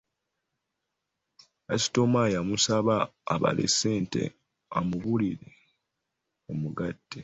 Kasitoma yamusaba abale ssente amubuulire omugatte.